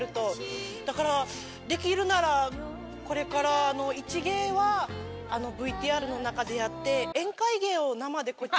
だからできるならこれから一芸はＶＴＲの中でやって。